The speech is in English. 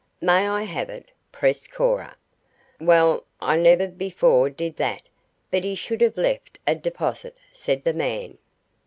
"May I have it?" pressed Cora. "Well, I never before did that but he should have left a deposit," said the man.